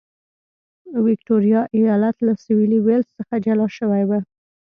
ویکټوریا ایالت له سوېلي ویلز څخه جلا شوی و.